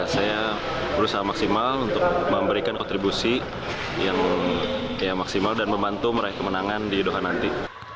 saya berusaha maksimal untuk memberikan kontribusi yang maksimal dan membantu meraih kemenangan di doha nanti